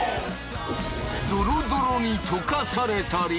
ドロドロに溶かされたり。